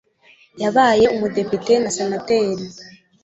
Yabaye umudepite na senateri.